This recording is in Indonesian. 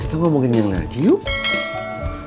kita mau mungkin nyelenggar cium